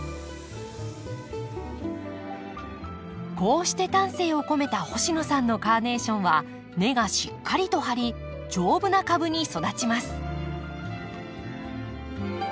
こうして丹精を込めた星野さんのカーネーションは根がしっかりと張り丈夫な株に育ちます。